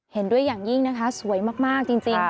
เห็นด้วยอย่างยิ่งนะคะสวยมากจริง